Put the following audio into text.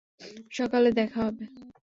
সকালে দেখা হবে।